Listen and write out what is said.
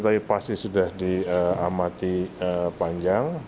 tapi pasti sudah diamati panjang